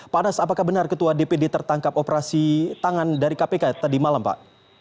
pak anas apakah benar ketua dpd tertangkap operasi tangan dari kpk tadi malam pak